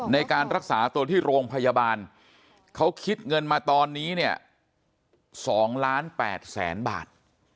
ในการรักษาตัวที่โรงพยาบาลเขาคิดเงินมาตอนนี้๒๘๐๐๐๐๐บาท